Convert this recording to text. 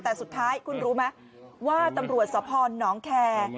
แต่สุดท้ายคุณรู้ไหมว่าตำรวจสภหนองแคร์